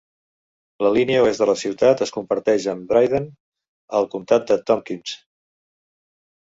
La línia oest de la ciutat es comparteix amb Dryden, al comtat de Tompkins.